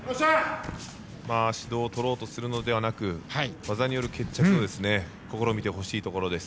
指導をとろうとするのではなく技による決着を試みてほしいところです。